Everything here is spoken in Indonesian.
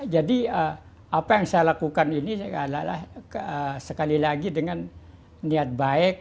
jadi apa yang saya lakukan ini adalah sekali lagi dengan niat baik